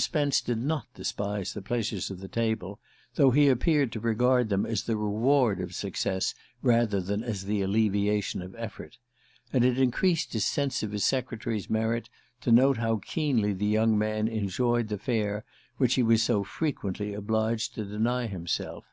Spence did not despise the pleasures of the table, though he appeared to regard them as the reward of success rather than as the alleviation of effort; and it increased his sense of his secretary's merit to note how keenly the young man enjoyed the fare which he was so frequently obliged to deny himself.